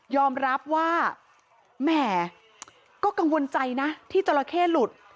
อมรับว่าแหมก็กังวลใจนะที่จราเข้หลุด